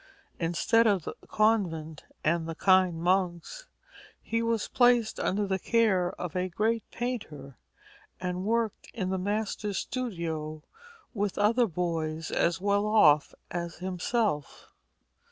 Instead of the convent and the kind monks, he was placed under the care of a great painter, and worked in the master's studio with other boys as well off as himself.